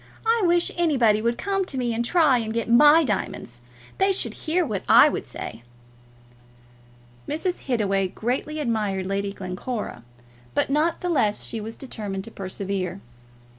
I wish anybody would come to me and try and get my diamonds! They should hear what I would say." Mrs. Hittaway greatly admired Lady Glencora, but not the less was she determined to persevere.